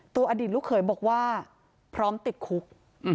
อดีตลูกเขยบอกว่าพร้อมติดคุก